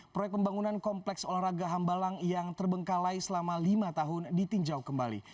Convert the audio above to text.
proyek pembangunan kompleks olahraga hambalang yang terbengkalai selama lima tahun ditinjau kembali